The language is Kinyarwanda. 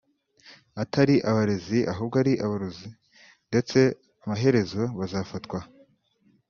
atari abarezi ahubwo ari ‘abarozi’ ndetse amaherezo bazafatwa